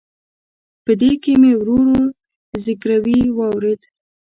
په دې کې مې ورو ورو زګیروي واورېد.